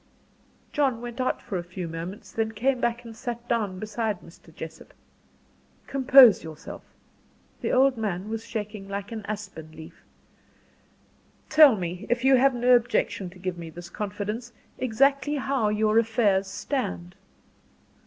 John went out for a few moments, then came back and sat down beside Mr. Jessop. "Compose yourself," the old man was shaking like an aspen leaf. "Tell me, if you have no objection to give me this confidence, exactly how your affairs stand."